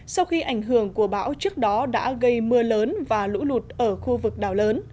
sau khi ảnh hưởng của bão trước đó đã gây mưa lớn và lũ lụt ở khu vực đảo lớn